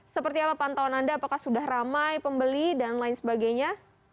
seperti apa pantauan anda apakah sudah ramai pembeli dan lain sebagainya